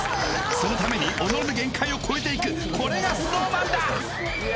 そのために己の限界を超えていくこれがＳｎｏｗＭａｎだ！